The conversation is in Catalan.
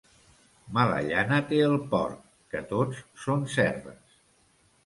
Mala llana té el porc, que tots són cerres.